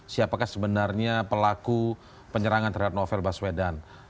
siapakah sebenarnya pelaku penyerangan terhadap novel baswedan